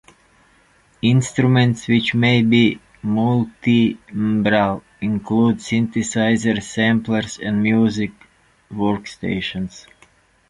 Instruments which may be multitimbral include synthesizers, samplers, and music workstations.